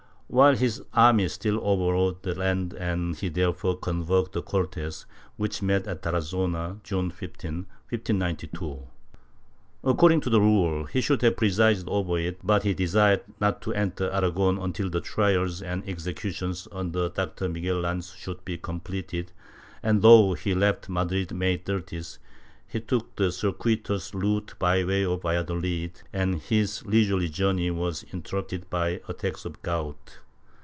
While his army still overawed the land he therefore convoked the Cortes, which met at Tarazona, June 15, 1592. According to rule, he should have presided over it, but he desired not to enter Aragon until the trials and exe cutions under Dr. Miguel Lanz should be completed, and, though he left Madrid May 30th, he took the circuitous route by way of Valladolid, and his leisurely journey was interrupted by attacks of gout.